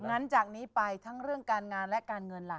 งั้นจากนี้ไปทั้งเรื่องการงานและการเงินล่ะ